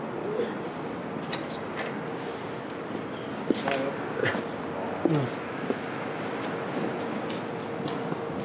おはようおはようございます